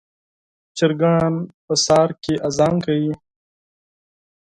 چرګان په سهار کې اذان کوي.